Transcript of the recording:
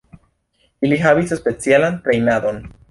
Ili havis specialan trejnadon.